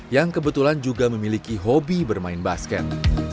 yang kebetulan juga memiliki hobi bermain basket